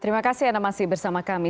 terima kasih anda masih bersama kami